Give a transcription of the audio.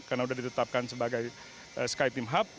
karena sudah ditetapkan sebagai sky team hub